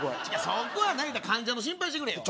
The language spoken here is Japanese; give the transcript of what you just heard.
そこは患者の心配してくれよ